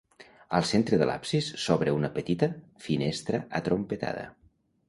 Al centre de l'absis s'obre una petita finestra atrompetada.